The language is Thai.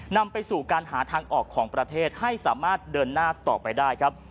นำไปสู่การหาทางออกของประเทศให้สามารถเดินหน้าต่อไปได้ครับ